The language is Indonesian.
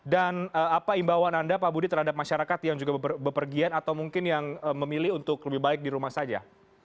dan apa imbauan anda pak budi terhadap masyarakat yang juga berpergian atau mungkin yang memilih untuk lebih baik di rumah saja